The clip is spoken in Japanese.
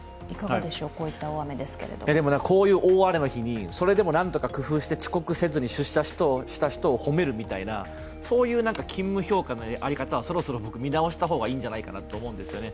こういう大荒れの日にそれでもなんとか工夫して遅刻せずに出社した人を褒めるみたいな、そういう勤務評価の在り方はそろそろ見直した方がいいんじゃないかなと思うんですよね。